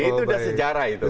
itu sudah sejarah itu